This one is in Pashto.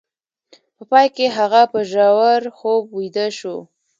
په پای کې هغه په ژور خوب ویده شو